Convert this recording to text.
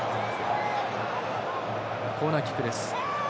コーナーキック。